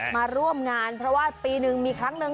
มาร่วมงานเพราะว่าปีหนึ่งมีครั้งหนึ่ง